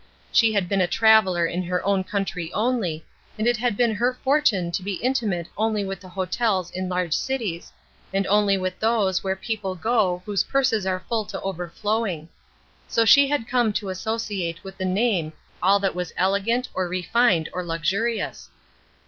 She had been a traveler in her own country only, and it had been her fortune to be intimate only with the hotels in large cities, and only with those where people go whose purses are full to overflowing. So she had come to associate with the name all that was elegant or refined or luxurious.